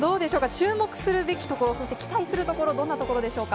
注目すべきところ、期待するところ、どんなところでしょうか？